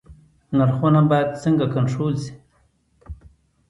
نرخونه باید څنګه کنټرول شي؟